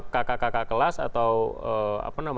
kakak kakak kelas atau menir menir belanda itu